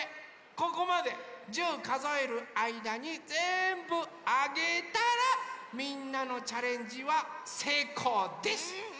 ここまで１０かぞえるあいだにぜんぶあげたらみんなのチャレンジはせいこうです！